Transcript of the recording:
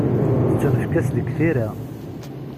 Tettunefk-as deg tira.